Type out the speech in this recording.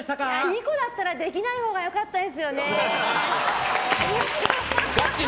２個だったらできないほうがよかったですよねー。